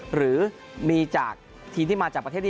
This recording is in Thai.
หรือมีจากทีมที่มาจากประเทศนี้